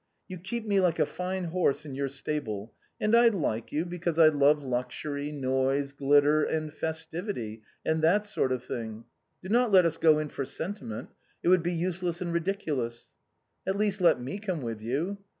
"You keep me like a fine horse in your stable — and I like you because I love luxury, noise, glitter, and fes tivity, and that sort of thing ; do not let us go in for senti ment, it would be useless and ridiculous." " At least let me come with you."